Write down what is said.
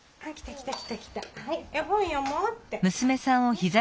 絵本読もうって。